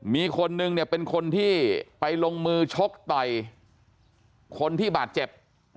มีคนนึงเนี่ยเป็นคนที่ไปลงมือชกต่อยคนที่บาดเจ็บ